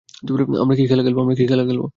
আমরা কি খেলা খেলব?